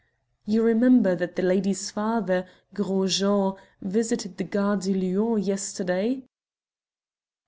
You remember that the lady's father, Gros Jean, visited the Gare de Lyon yesterday?"